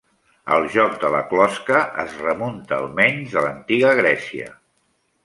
El joc de la closca es remunta almenys a l'antiga Grècia.